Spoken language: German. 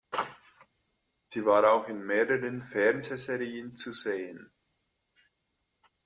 Sie war auch in mehreren Fernsehserien zu sehen.